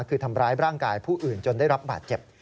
คือทำร้ายร่างกายผู้อื่นจนได้รับบาดเจ็บ